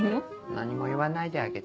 何も言わないであげて。